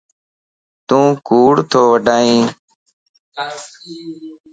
تون ڪوڙ تو وڊائين